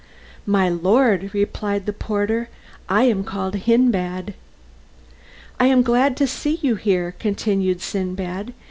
"My lord," replied the porter, "I am called Hindbad." "I am glad to see you here," continued Sindbad.